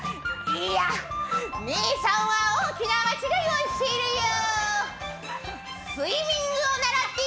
いや姉さんは大きな間違いをしているよ。